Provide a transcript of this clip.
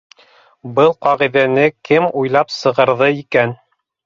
Был ҡағиҙәне кем уйлап сығарҙы икән?